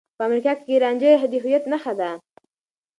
په امريکا کې رانجه د هويت نښه ده.